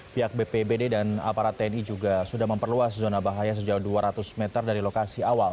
pihak bpbd dan aparat tni juga sudah memperluas zona bahaya sejauh dua ratus meter dari lokasi awal